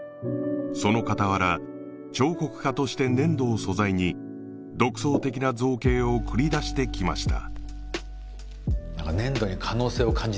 そのかたわら彫刻家として粘土を素材に独創的な造形を繰りだしてきました